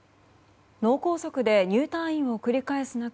脳梗塞で入退院を繰り返す中